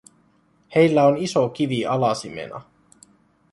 Heillä on iso kivi alasimena.